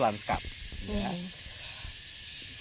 nah ini adalah kawasan lindung ini